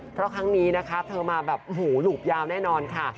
เพราะครั้งนี้นะคะเธอมาแบบหูหลุบยาวแน่นอนค่ะ